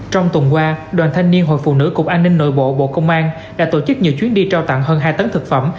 trong tuần qua đoàn thanh niên hội phụ nữ cục an ninh nội bộ bộ công an đã tổ chức nhiều chuyến đi trao tặng hơn hai tấn thực phẩm